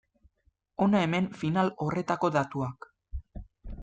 Hona hemen final horretako datuak.